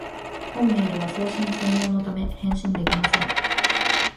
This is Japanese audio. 本メールは送信専用のため、返信できません